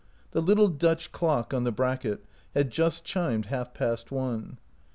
The little Dutch clock on the bracket had just chimed half past one.